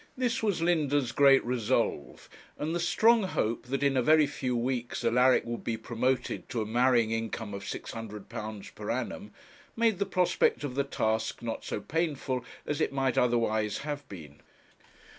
This was Linda's great resolve, and the strong hope, that in a very few weeks, Alaric would be promoted to a marrying income of £600 per annum, made the prospect of the task not so painful as it might otherwise have been.